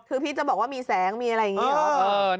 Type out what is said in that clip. คือพี่จะบอกว่ามีแสงมีอะไรอย่างนี้หรอ